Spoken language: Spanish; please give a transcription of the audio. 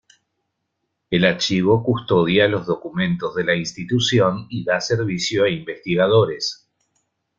El archivo custodia los documentos de la institución y da servicio a investigadores.